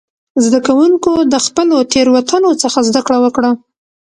زده کوونکو د خپلو تېروتنو څخه زده کړه وکړه.